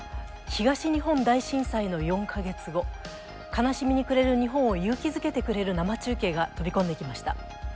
東日本大震災の４か月後悲しみにくれる日本を勇気づけてくれる生中継が飛び込んできました